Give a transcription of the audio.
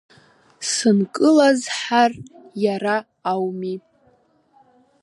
Сынкылазҳар иара ауми.